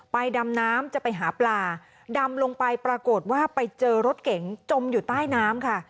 ดำน้ำจะไปหาปลาดำลงไปปรากฏว่าไปเจอรถเก๋งจมอยู่ใต้น้ำค่ะ